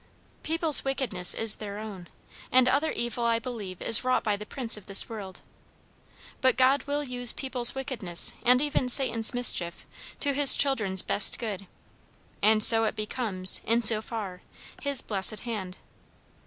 "People's wickedness is their own. And other evil I believe is wrought by the prince of this world. But God will use people's wickedness, and even Satan's mischief, to his children's best good; and so it becomes, in so far, his blessed hand.